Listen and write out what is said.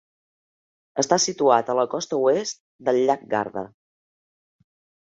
Està situat a la costa oest del llac Garda.